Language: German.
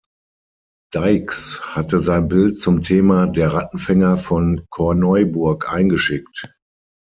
Deix hatte sein Bild zum Thema „Der Rattenfänger von Korneuburg“ eingeschickt.